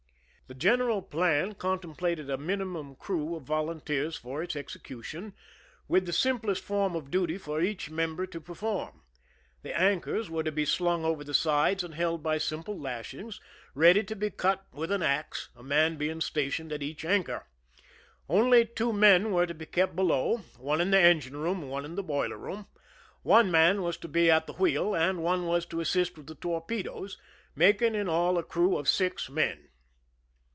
The general plan contemplated a minimum crew of volunteers for its execution, with the simplest form of duty for each member to perform. The anchors were to be slung over the sides and held by simple lashings, ready to be cut with an ax, a man being stationed at each anchor. Only two men were to be kept below, one in the engine room and one in the boiler room. One man was to be at the wheel and one was to assist with the torpedoes, making in all a crew of six men.